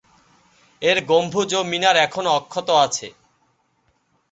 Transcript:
এর গম্বুজ ও মিনার এখনো অক্ষত আছে।